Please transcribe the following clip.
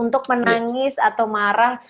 untuk menangis atau marah